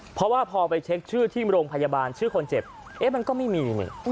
เพราะว่าพอไปเช็คชื่อที่โรงพยาบาลชื่อคนเจ็บเอ๊ะมันก็ไม่มีนี่